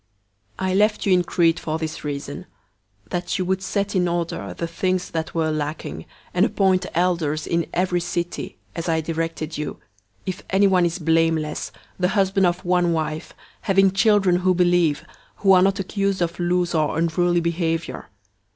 001:005 I left you in Crete for this reason, that you would set in order the things that were lacking, and appoint elders in every city, as I directed you; 001:006 if anyone is blameless, the husband of one wife, having children who believe, who are not accused of loose or unruly behavior.